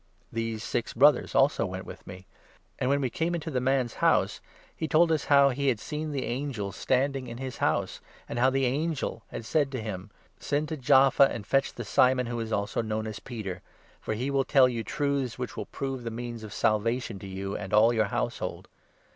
These six Brothers also went with me. And, when we came into the man's house, he told us how he had seen the angel 13 standing in his house, and how the angel had said to him —' Send to Jaffa and fetch the Simon, who is also known as Peter ; for he will tell you truths, which will prove the 14 means of Salvation to you and all your household.'